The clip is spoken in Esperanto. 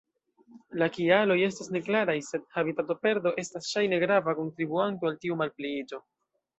La kialoj estas neklaraj, sed habitatoperdo estas ŝajne grava kontribuanto al tiu malpliiĝo.